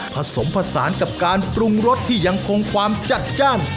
ผสมผสานกับการปรุงรสที่ยังคงความจัดจ้าน